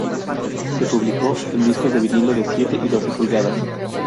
Se publicó en discos de vinilo de siete y doce pulgadas.